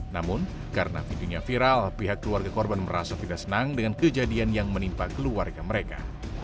namun karena videonya viral pihak keluarga korban merasa tidak senang dengan kejadian yang menimpa keluarga mereka